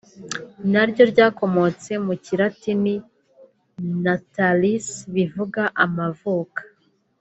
naryo ryakomotse mu Kilatini “Natalis” bivuze “amavuka”